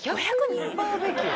５００人？